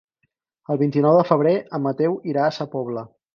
El vint-i-nou de febrer en Mateu irà a Sa Pobla.